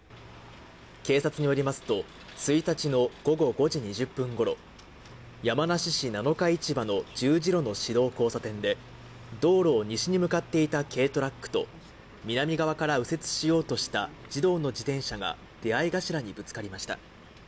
警察によりますと、１日の午後５時２０分ごろ、山梨市なのかいちばの十字路の市道交差点で道路を西に向かっていた軽トラックと、南側から右折しようとした児童の自転車が出会い頭にぶつかりました。